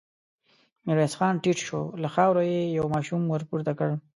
ميرويس خان ټيټ شو، له خاورو يې يو ماشوم ور پورته کړ.